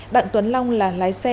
đặng tuấn long là lái xe